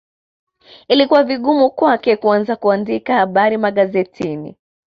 Ilikuwa vigumu kwake kuanza kuandika habari magazetini